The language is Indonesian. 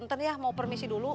intern ya mau permisi dulu